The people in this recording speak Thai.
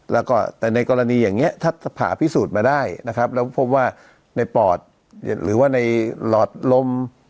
แล้วก็แต่ในกรณีอย่างนี้ถ้าผ่าพิสูจน์มาได้นะครับแล้วพบว่าในปอดหรือว่าในหลอดลม